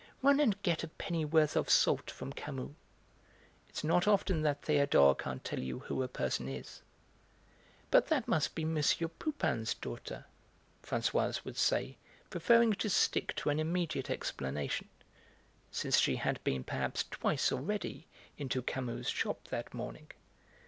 Run and get a pennyworth of salt from Camus. It's not often that Théodore can't tell you who a person is." "But that must be M. Pupin's daughter," Françoise would say, preferring to stick to an immediate explanation, since she had been perhaps twice already into Camus's shop that morning.